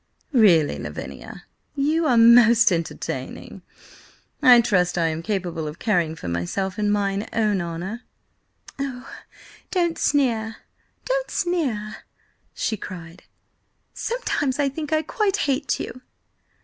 "Really, Lavinia, you are most entertaining. I trust I am capable of caring for myself and mine own honour." "Oh, don't sneer–don't sneer!" she cried. "Sometimes I think I quite hate you!"